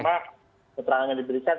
selama keterangan yang diberikan